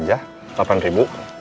gak ada uang pas aja